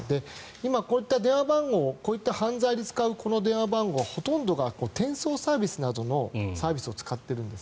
今、こういった電話番号こういった犯罪に使う電話番号はほとんどが転送サービスなどのサービスを使っているんです。